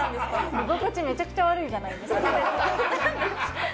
居心地めちゃくちゃ悪いじゃないですか何で？